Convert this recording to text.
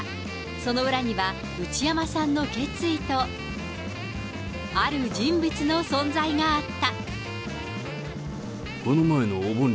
その裏には内山さんの決意と、ある人物の存在があった。